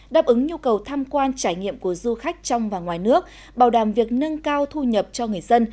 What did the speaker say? đáp ứng nhu cầu tham quan trải nghiệm của du khách trong và ngoài nước bảo đảm việc nâng cao thu nhập cho người dân